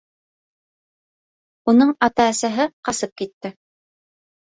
— Уның ата-әсәһе ҡасып китте.